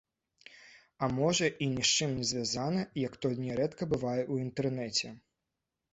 А можа, і ні з чым не звязаны, як то нярэдка бывае ў інтэрнэце.